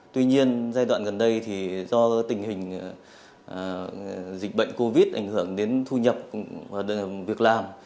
tuy nhiên giai đoạn gần đây thì do tình hình dịch bệnh covid ảnh hưởng đến thu nhập và việc làm